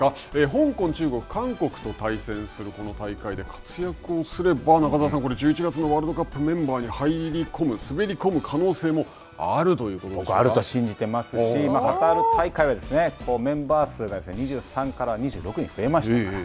香港、中国、韓国と対戦するこの大会で活躍をすれば、中澤さん、１１月のワールドカップメンバーに入り込む、滑り込む可能性もああると信じてますし、カタール大会はメンバー数が２３から２６に増えましたから。